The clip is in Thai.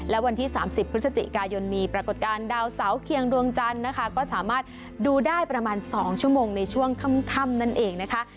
และวันที่๓๐พฤศจิกายนมีปรากฏการณ์ดาวเสาเคียงดวงจันทร์นะคะก็สามารถดูได้ประมาณ๒ชั่วโมงในช่วงค่ำนั่นเองนะคะ